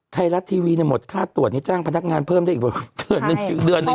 ไทยรัสทีวีมันหมดค่าตรวจจ้างพนักงานเพิ่มได้อีกเดือนหนึ่ง